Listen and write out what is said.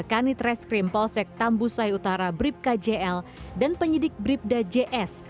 kanit reskrim polsek tambusai utara bribka jl dan penyidik bribda js